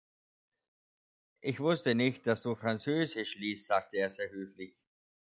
„Ich wusste nicht, dass du Französisch liest“, sagte er sehr höflich.